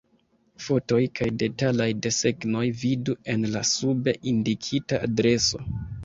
Fotoj kaj detalaj desegnoj vidu en la sube indikita adreso.